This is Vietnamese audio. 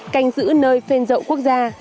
canh giữ nơi phên rậu quốc gia